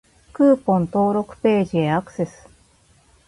クーポン登録ページへアクセス